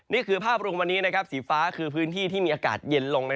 นี่คือภาพรวมวันนี้สีฟ้าคือพื้นที่ที่มีอากาศเย็นลง